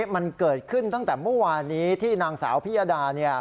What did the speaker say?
มันเกิดขึ้นตั้งแต่เมื่อวานนี้ที่นางสาวพิยดา